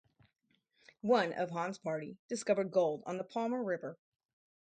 One of Hann's party discovered gold on the Palmer River.